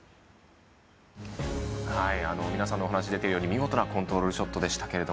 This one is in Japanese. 皆さんのお話に出ているように見事なコントロールショットでした。